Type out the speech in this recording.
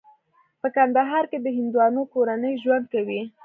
په کندهار کې د هندوانو کورنۍ ژوند کوي.